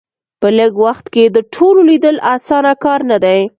په لږ وخت کې د ټولو لیدل اسانه کار نه دی.